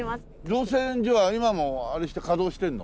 造船所は今もあれして稼働してるの？